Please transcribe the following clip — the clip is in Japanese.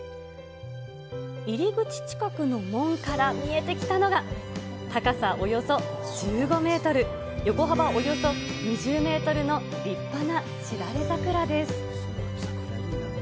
入り口近くの門から見えてきたのが、高さおよそ１５メートル、横幅およそ２０メートルの立派なしだれ桜です。